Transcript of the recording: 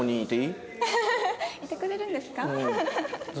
いてくれるんですか？